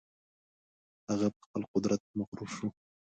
هغه په خپل قدرت مغرور شو.